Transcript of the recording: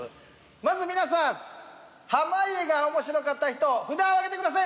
まず皆さん濱家が面白かった人札を上げてください。